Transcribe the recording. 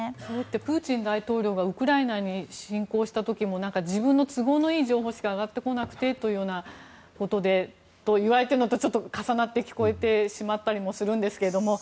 プーチン大統領がウクライナに侵攻した時も自分の都合のいい情報しか上がってこなくてと言われているのとちょっと重なって聞こえてしまうんですが。